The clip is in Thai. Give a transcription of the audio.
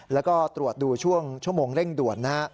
แล้วก็ตรวจดูช่วงชั่วโมงเร่งด่วนนะฮะ